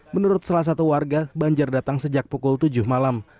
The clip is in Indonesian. menurut salah satu warga banjir datang sejak pukul tujuh malam